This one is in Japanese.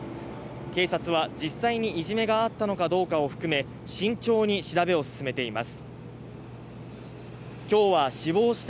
警察は、実際にいじめがあったのかを含め慎重に調べを進めています。